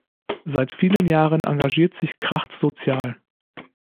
Seit vielen Jahren engagiert sich Kracht sozial.